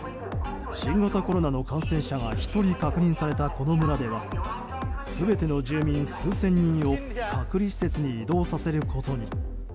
新型コロナの感染者が１人確認されたこの村では全ての住民数千人を隔離施設に移動させることに。